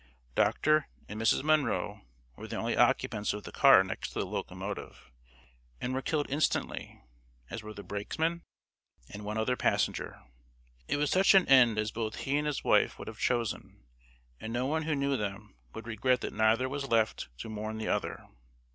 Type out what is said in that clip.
Dr. and Mrs. Munro were the only occupants of the car next the locomotive, and were killed instantly, as were the brakesman and one other passenger. It was such an end as both he and his wife would have chosen; and no one who knew them would regret that neither was left to mourn the other.